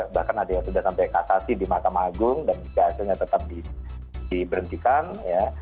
bahkan ada yang sudah sampai kasasi di mahkamah agung dan juga hasilnya tetap diberhentikan ya